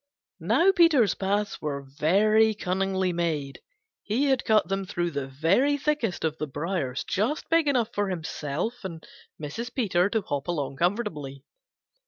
Now Peter's paths were very cunningly made. He had cut them through the very thickest of the briars just big enough for himself and Mrs. Peter to hop along comfortably.